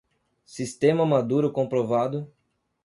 Sistema maduro comprovado